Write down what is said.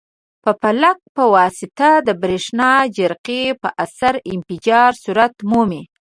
په پلک په واسطه د برېښنا جرقې په اثر انفجار صورت مومي.